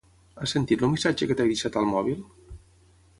Has sentit el missatge que t'he deixat al mòbil?